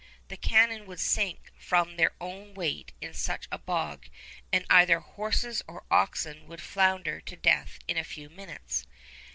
The cannon would sink from their own weight in such a bog, and either horses or oxen would flounder to death in a few minutes.